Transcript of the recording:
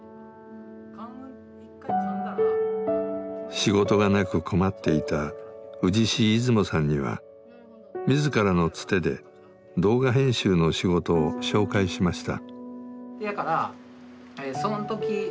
仕事がなく困っていた氏師出雲さんには自らのツテで動画編集の仕事を紹介しました。